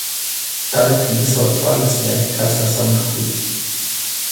دا له پنځه سوه څوارلس میلادي کال سره سمون خوري.